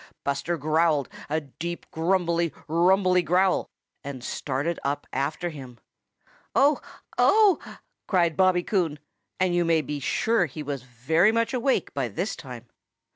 Buster growled a deep, grumbly, rumbly growl and started up after him. "Oh! Oh!" cried Bobby Coon, and you may be sure he was very much awake by this time.